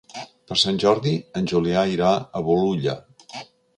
Per Sant Jordi en Julià irà a Bolulla.